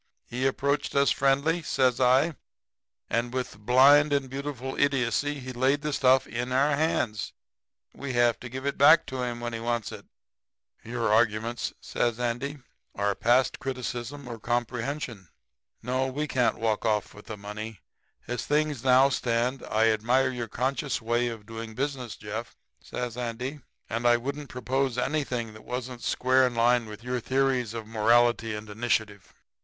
He approached us friendly,' says I, 'and with blind and beautiful idiocy laid the stuff in our hands. We'll have to give it back to him when he wants it.' [Illustration: "'We can't take it, Andy.'"] "'Your arguments,' says Andy, 'are past criticism or comprehension. No, we can't walk off with the money as things now stand. I admire your conscious way of doing business, Jeff,' says Andy, 'and I wouldn't propose anything that wasn't square in line with your theories of morality and initiative.